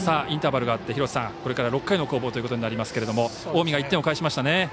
インターバルがあってこれから６回の攻防ということになりますけれども近江が１点を返しましたね。